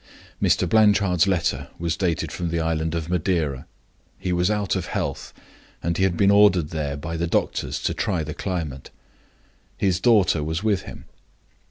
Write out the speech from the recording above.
"Mr. Blanchard's letter was dated from the Island of Madeira. He was out of health, and he had been ordered there by the doctors to try the climate. His daughter was with him.